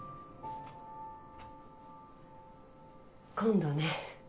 今度ね。